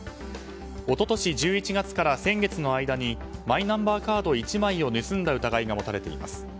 一昨年１１月から先月の間にマイナンバーカード１枚を盗んだ疑いが持たれています。